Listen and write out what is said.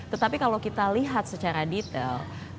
tetapi kalau kita lihat secara detail